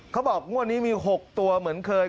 เขาบอกงวดนี้มี๖ตัวเหมือนเคย